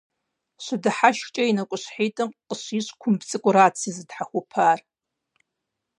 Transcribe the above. ЩыдыхьэшхкӀэ и нэкӀущхьитӀым къыщищӀ кумб цӀыкӀурат сызытхьэкъупар.